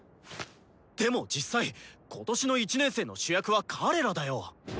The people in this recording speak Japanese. でも実際今年の１年生の主役は彼らだよ。